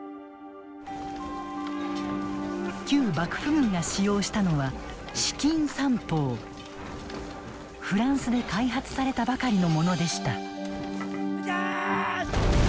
旧幕府軍が使用したのはフランスで開発されたばかりのものでした。